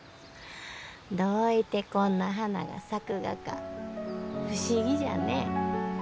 どういてこんな花が咲くがか不思議じゃね。